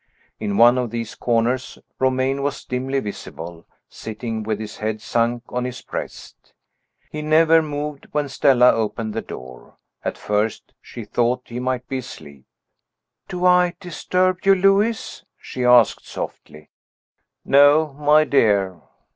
In one of these corners Romayne was dimly visible, sitting with his head sunk on his breast. He never moved when Stella opened the door. At first she thought he might be asleep. "Do I disturb you, Lewis?" she asked softly. "No, my dear."